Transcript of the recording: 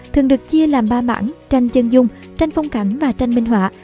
thường được chia làm ba mảng tranh chân dung tranh phong cảnh và tranh minh họa